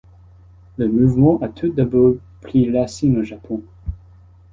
Le mouvement à tout d’abord pris racine au Japon.